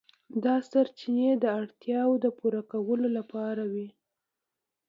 دا سرچینې د اړتیاوو د پوره کولو لپاره وې.